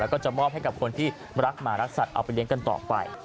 แล้วก็จะมอบให้กับคนที่รักหมารักสัตว์เอาไปเลี้ยงกันต่อไป